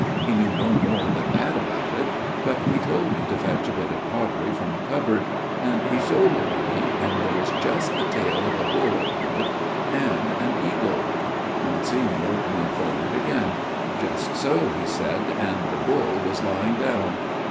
He knew no more than that about it, but he told me to fetch a bit of pottery from a cupboard, and he showed it me, and there was just the tail of a bull upon it, and an eagle." Monsignor leaned forward again. "Just so," he said, " and the bull was lying down."